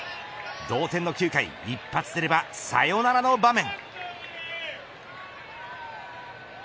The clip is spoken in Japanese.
同点の９回、一発出ればサヨナラの場面。